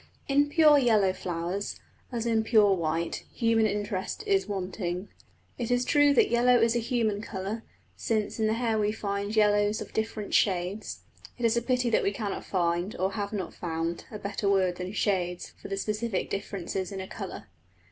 In pure yellow flowers, as in pure white, human interest is wanting. It is true that yellow is a human colour, since in the hair we find yellows of different shades it is a pity that we cannot find, or have not found, a better word than "shades" for the specific differences of a colour.